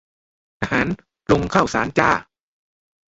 ทหารลงข้าวสารจร้า